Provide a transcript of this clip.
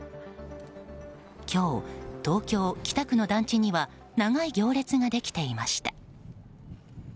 今日、東京・北区の団地には長い行列ができていました。